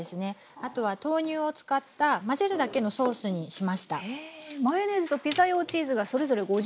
あとは豆乳を使った混ぜるだけのソースにしました。